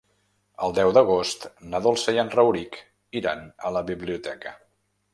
El deu d'agost na Dolça i en Rauric iran a la biblioteca.